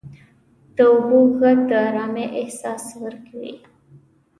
• د اوبو ږغ د آرامۍ احساس ورکوي.